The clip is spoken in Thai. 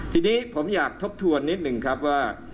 ทีนี้ผมอยากทบทวนนิดหนึ่งครับว่า